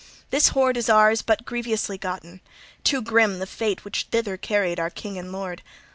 This hoard is ours but grievously gotten; too grim the fate which thither carried our king and lord.